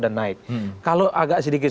dan naik kalau agak sedikit